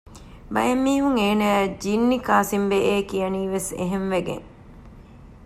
ބައެއް މީހުން އޭނާއަށް ޖިންނި ކާސިމްބެއޭ ކިޔަނީވެސް އެހެންވެގެން